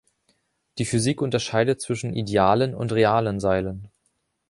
Die Physik unterscheidet zwischen „idealen“ und „realen“ Seilen.